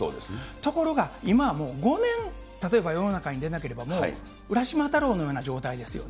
ところが、今はもう、５年、例えば世の中に出なければ、もう浦島太郎のような状態ですよね。